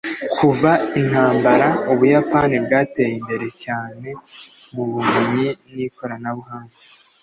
kuva intambara, ubuyapani bwateye imbere cyane mubumenyi n'ikoranabuhanga